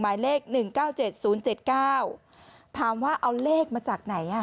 หมายเลขหนึ่งเก้าเจ็ดศูนย์เจ็ดเก้าถามว่าเอาเลขมาจากไหนอ่ะ